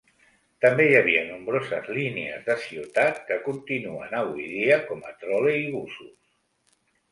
També hi havia nombroses línies de ciutat, que continuen avui dia com a troleibusos.